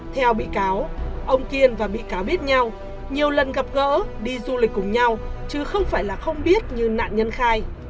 theo bị cáo ông kiên và bị cáo biết nhau nhiều lần gặp gỡ đi du lịch cùng nhau chứ không phải là không biết như nạn nhân khai